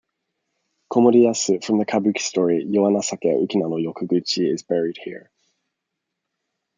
Komori Yasu, from the kabuki story 'Yowa Nasake Ukinano Yokoguchi' is buried here.